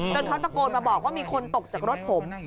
เขาตะโกนมาบอกว่ามีคนตกจากรถผม